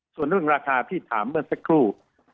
ส่วนเรื่องราคาพี่ถามเสียงเจนสักครู่